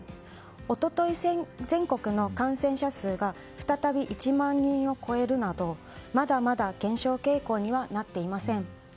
一昨日、全国の感染者数が再び１万人を超えるなどまだまだ減少傾向にはなっていません。